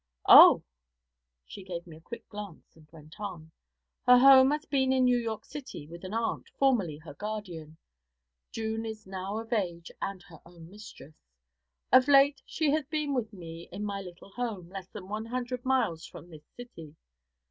'Oh!' She gave me a quick glance and went on. 'Her home has been in New York City, with an aunt, formerly her guardian. June is now of age and her own mistress. Of late she has been with me in my little home, less than one hundred miles from this city.